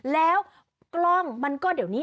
แล้วกล้องมันก็เดี๋ยวนี้